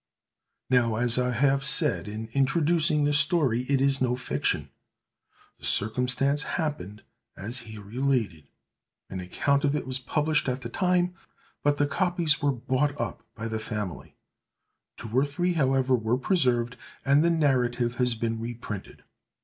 Now, as I have said in introducing this story, it is no fiction: the circumstance happened as here related. An account of it was published at the time, but the copies were bought up by the family. Two or three, however, were preserved, and the narrative has been reprinted.